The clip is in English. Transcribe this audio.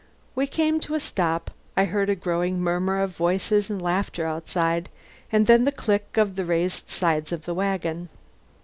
We came to a stop; I heard a growing murmur of voices and laughter outside, and then the click of the raised sides of the wagon.